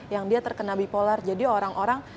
yang dia terkena bipolar jadi orang orang